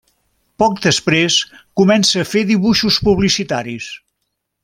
Poc després, comença a fer dibuixos publicitaris.